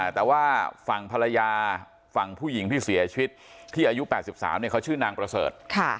แต่ว่าฝั่งภรรยาฝั่งผู้หญิงที่เสียชีวิตที่อายุ๘๓เขาชื่อนางประเสริฐ